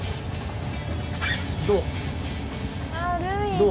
どう？